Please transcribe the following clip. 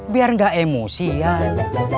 biar gak emosian